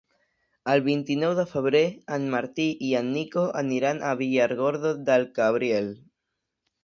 El vint-i-nou de febrer en Martí i en Nico aniran a Villargordo del Cabriel.